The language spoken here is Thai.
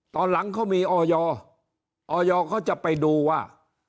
ตอนหลังเขามีออยออยเขาจะไปดูว่า